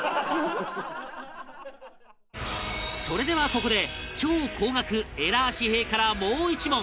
それではここで超高額エラー紙幣からもう１問